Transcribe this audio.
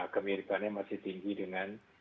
kemiripannya masih tinggi dengan